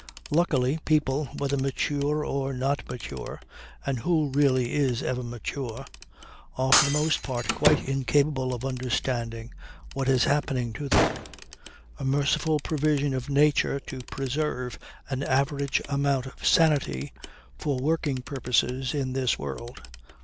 Luckily, people, whether mature or not mature (and who really is ever mature?) are for the most part quite incapable of understanding what is happening to them: a merciful provision of nature to preserve an average amount of sanity for working purposes in this world